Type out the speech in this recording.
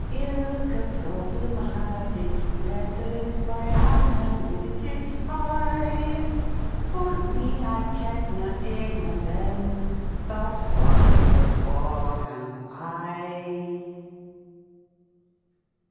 Ilka problem has its method By analytics high; For me, I ken na ane o' them. But what the waur am I?